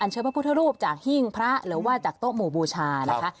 เชิญพระพุทธรูปจากหิ้งพระหรือว่าจากโต๊ะหมู่บูชานะคะ